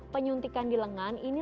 penyuntikan di lengan ini